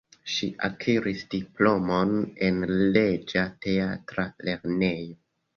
Ŝi akiris diplomon en Reĝa Teatra Lernejo.